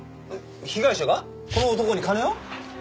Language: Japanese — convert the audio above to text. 被害者がこの男に金を？